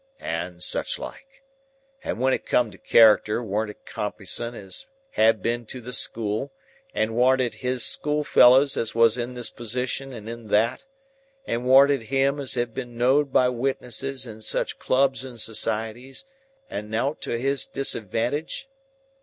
And such like. And when it come to character, warn't it Compeyson as had been to the school, and warn't it his schoolfellows as was in this position and in that, and warn't it him as had been know'd by witnesses in such clubs and societies, and nowt to his disadvantage?